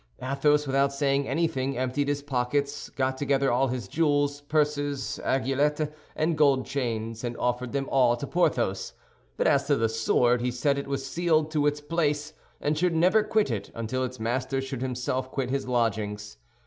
Athos, without saying anything, emptied his pockets, got together all his jewels, purses, aiguillettes, and gold chains, and offered them all to Porthos; but as to the sword, he said it was sealed to its place and should never quit it until its master should himself quit his lodgings.